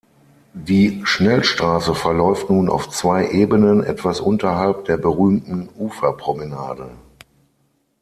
Die Schnellstraße verläuft nun auf zwei Ebenen etwas unterhalb der berühmten Uferpromenade.